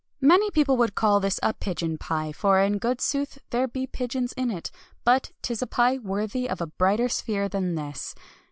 Many people would call this a pigeon pie, for in good sooth there be pigeons in it; but 'tis a pie worthy of a brighter sphere than this.